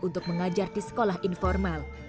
untuk mengajar di sekolah informal